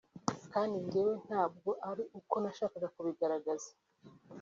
kandi njyewe ntabwo ari uko nashakaga kubigaragaza